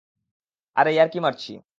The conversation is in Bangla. আরে ইয়ার্কি মারছি।